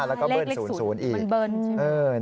แล้วก็เบิ้ล๐๐อีกเลขเลข๐มันเบิ้ล